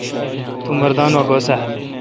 تو مردان وا گوسہ اؘ